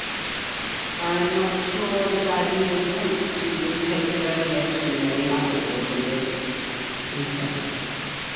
"I am not sure that I even hoped you would take the revelation in any other way than this," he said.